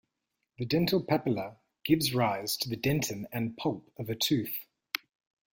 The dental papilla gives rise to the dentin and pulp of a tooth.